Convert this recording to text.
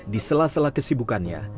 di sela sela kesibukannya